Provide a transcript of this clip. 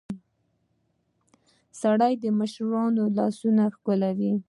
سړى د مشرانو لاسونه ښکلوي.